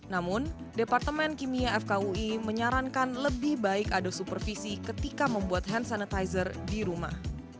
namun departemen kimia fkui menyarankan lebih baik ada supervisi ketika membuat hand sanitizer di rumah